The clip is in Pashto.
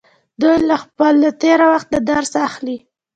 دوی له خپل تیره وخت نه درس اخلي.